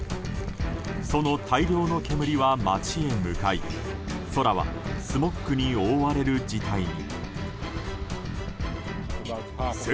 その大量の煙は街へ向かい空はスモッグに覆われる事態に。